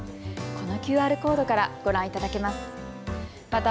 このＱＲコードからご覧いただけます。